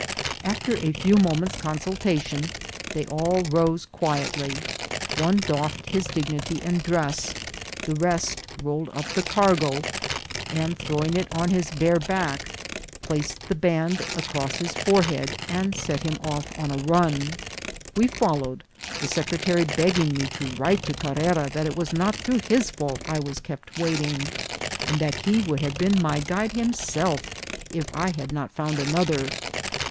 After a few moments' consultation they all rose quietly ; one doffed his dignity and dress, the rest rolled up the cargo, and throwing it on his bare back, placed the band across his forehead, and set him off on a run. We follow ed, the secretary begging me to write to Carrera that it was not through his fault I was kept waiting, and that he would have been my guide himself if I had not found another.